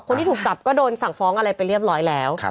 คนที่ถูกจับก็โดนสั่งฟ้องอะไรไปเรียบร้อยแล้ว